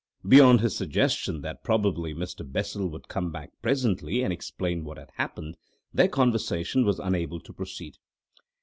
Beyond his suggestion that probably Mr. Bessel would come back presently and explain what had happened, their conversation was unable to proceed.